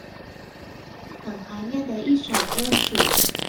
很懷念的一首歌曲